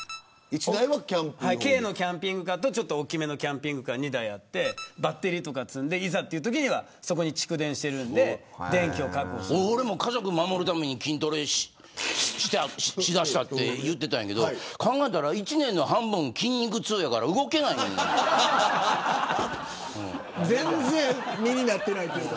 はい、軽のキャンピングカーとちょっと大きめのキャンピングカー２台あってバッテリーとか積んでいざっていうときにはそこに蓄電してるんで俺も家族守るために筋トレしだしたって言うてたんやけど、考えたら１年の半分筋肉痛やから全然身になってないというか。